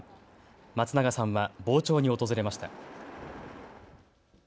松永さんは傍聴に訪れました。